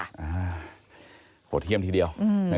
อ้าวโหเที่ยมทีเดียว